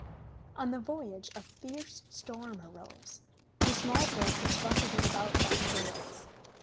On the voyage a fierce storm arose. The small boat was buffetted about by the gales.